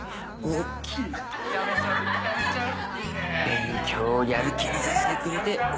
勉強やる気にさせてくれておおきに。